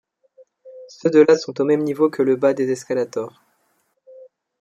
Ceux de la sont au même niveau que le bas des escalators.